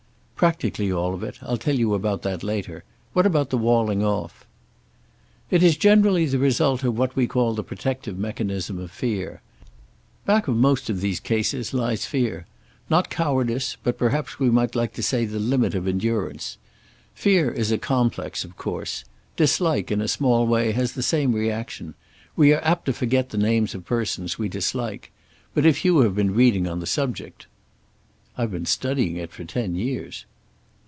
"Practically all of it. I'll tell you about that later. What about the walling off?" "It is generally the result of what we call the protective mechanism of fear. Back of most of these cases lies fear. Not cowardice, but perhaps we might say the limit of endurance. Fear is a complex, of course. Dislike, in a small way, has the same reaction. We are apt to forget the names of persons we dislike. But if you have been reading on the subject " "I've been studying it for ten years."